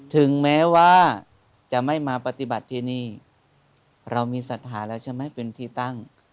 ถึงแม้ว่าจะไม่มาปฏิบัติที่นี่เรามีศรัทธาแล้วใช่ไหมเป็นที่ตั้ง